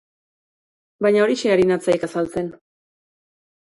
Baina horixe ari natzaik azaltzen.